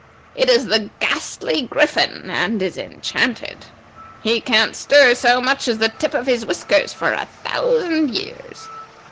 It is the Ghastly Griffin and is enchanted. He can't stir so much as the tip of his whiskers for a thousand years.